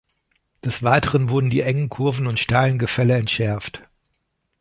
Des Weiteren wurden die engen Kurven und steilen Gefälle entschärft.